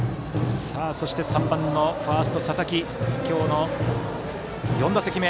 さあ、そして３番ファースト、佐々木今日の４打席目。